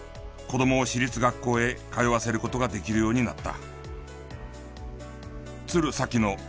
子どもを私立学校へ通わせる事ができるようになった。